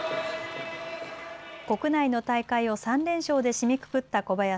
国内の大会を３連勝で締めくくった小林。